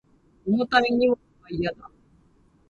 重たい荷物は嫌だ